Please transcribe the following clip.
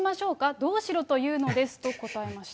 どうしろというのですと答えました。